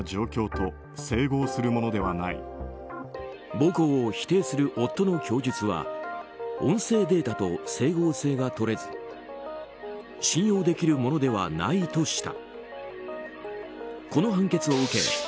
暴行を否定する夫の供述は音声データと整合性がとれず信用できるものではないとした。